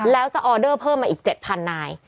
แล้วจะออเดอร์เพิ่มมาอีก๗๐๐นาย